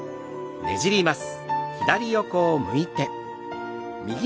ねじります。